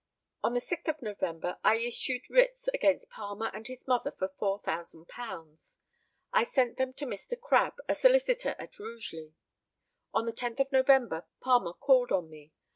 On the 6th of November I issued writs against Palmer and his mother for £4,000. I sent them to Mr. Crabbe, a solicitor at Rugeley. On the 10th of November Palmer called on me.